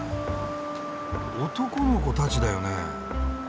男の子たちだよね？